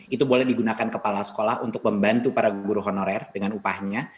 itu boleh digunakan kepala sekolah untuk membantu para guru honorer dengan upahnya